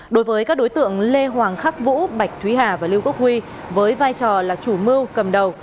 đối với các đối tượng lê hoàng khắc vũ bạch thúy hà và lưu quốc huy với vai trò là chủ mưu cầm đầu